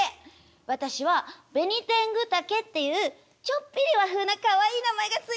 私はベニテングタケっていうちょっぴり和風なかわいい名前が付いてるんだから！